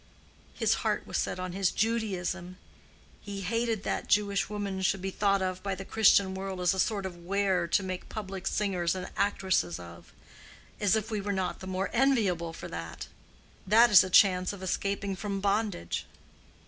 His heart was set on his Judaism. He hated that Jewish women should be thought of by the Christian world as a sort of ware to make public singers and actresses of. As if we were not the more enviable for that! That is a chance of escaping from bondage."